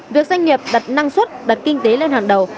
việc doanh nghiệp đặt năng suất đặt kinh tế lên hàng đầu